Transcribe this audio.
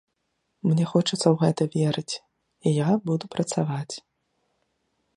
Мне хочацца ў гэта верыць, і я буду працаваць.